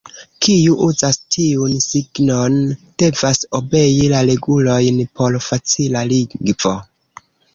Kiu uzas tiun signon, devas obei la regulojn por facila lingvo.